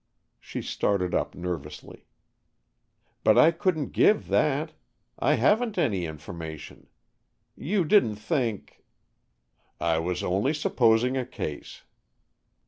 She started up nervously. "But I couldn't give that. I haven't any information. You didn't think " "I was only supposing a case."